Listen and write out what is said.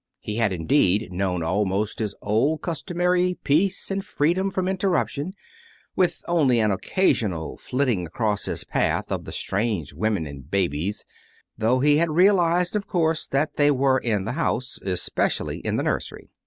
He had, indeed, known almost his old customary peace and freedom from interruption, with only an occasional flitting across his path of the strange women and babies though he had realized, of course, that they were in the house, especially in the nursery.